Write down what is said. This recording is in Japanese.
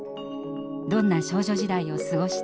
「どんな少女時代を過ごしたか」。